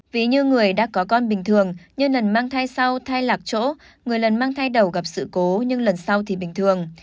ví như người đã có con bình thường nhiều lần mang thai sau thay lạc chỗ người lần mang thai đầu gặp sự cố nhưng lần sau thì bình thường